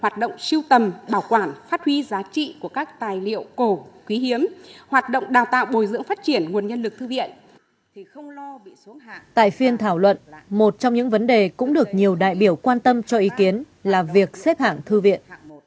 tại phiên thảo luận một trong những vấn đề cũng được nhiều đại biểu quan tâm cho ý kiến là việc xếp hạng thư viện